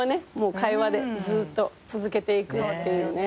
会話でずっと続けていくっていうね。